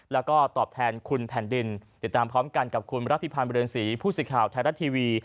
แล้วก็ตอบแทนคุณแผ่นดินเดี๋ยวตามพร้อมกันกับคุณรัฐภิพาณบริเวณศรีผู้สิทธิ์ข่าวทหารัททีวี